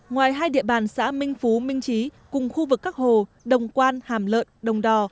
ngoài hai địa bàn xã minh phú minh trí cùng khu vực các hồ đồng quan hàm lợn đồng đò